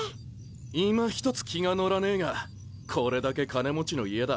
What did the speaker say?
いまひとつ気が乗らねえがこれだけ金持ちの家だ。